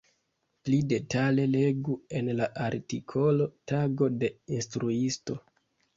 Pli detale legu en la artikolo Tago de instruisto.